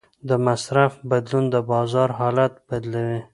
د مصرف بدلون د بازار حالت بدلوي.